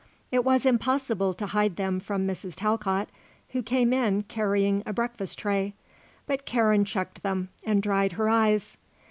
It was impossible to hide them from Mrs. Talcott, who came in carrying a breakfast tray; but Karen checked them, and dried her eyes.